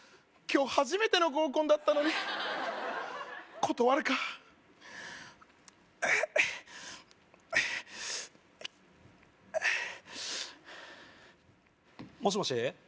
今日初めての合コンだったのに断るかもしもし？